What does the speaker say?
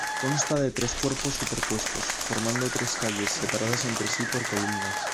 Consta de tres cuerpos superpuestos, formando tres calles, separadas entre sí por columnas.